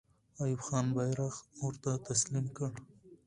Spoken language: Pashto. ایوب خان بیرغ ورته تسلیم کړ.